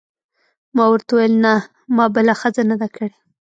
ما ورته وویل: نه، ما بله ښځه نه ده کړې.